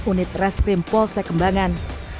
unit resprim polsek kembangan